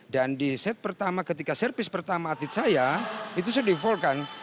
dan di set pertama ketika servis pertama atid saya itu sudah di fall kan